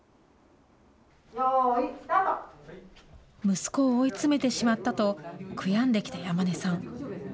息子を追い詰めてしまったと、悔やんできた山根さん。